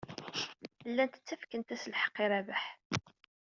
Llant ttakfent-as lḥeqq i Rabaḥ.